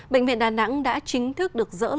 bệnh viện đà nẵng đã chính thức được giải quyết